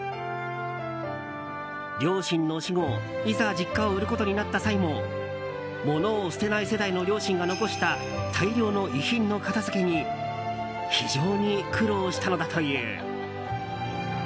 両親の死後いざ実家を売ることになった際も物を捨てない世代の両親が残した大量の遺品の片付けに非常に苦労したのだという。